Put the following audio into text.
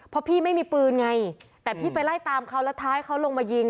เพราะพี่ไม่มีปืนไงแต่พี่ไปไล่ตามเขาแล้วท้ายเขาลงมายิง